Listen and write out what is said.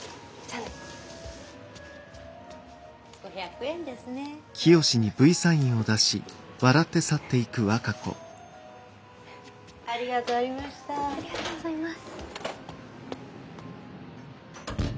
ありがとうございます。